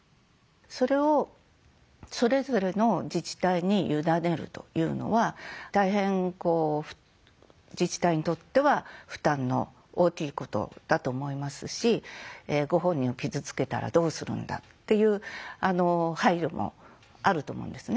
それをそれぞれの自治体に委ねるというのは大変こう自治体にとっては負担の大きいことだと思いますしご本人を傷つけたらどうするんだっていう配慮もあると思うんですね。